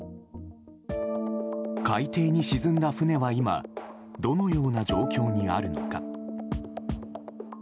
海底に沈んだ船は今、どのような状況にあるのか。